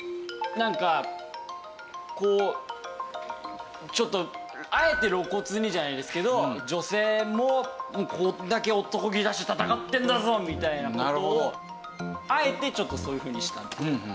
なんかこうちょっとあえて露骨にじゃないですけど女性もこれだけ男気出して戦ってんだぞみたいな事をあえてちょっとそういうふうにしたのかな。